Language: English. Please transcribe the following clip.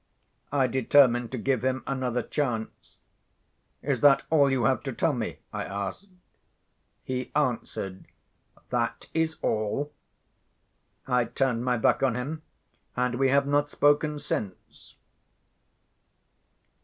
I determined to give him another chance. "Is that all you have to tell me?" I asked. He answered, "That is all." I turned my back on him; and we have not spoken since.